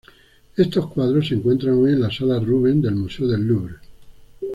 Estos cuadros se encuentran hoy en la sala Rubens del Museo del Louvre.